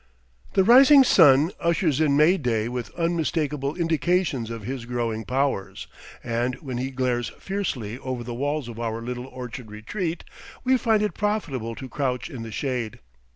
The rising sun ushers in May day with unmistakable indications of his growing powers, and when he glares fiercely over the walls of our little orchard retreat, we find it profitable to crouch in the shade.